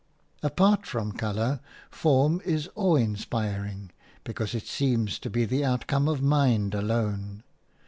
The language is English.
Apart from colour, form is awe inspiring because it seems to be the outcome of mind alone.